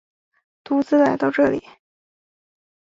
独自来到这里